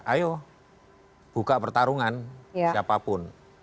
ayo buka pertarungan siapapun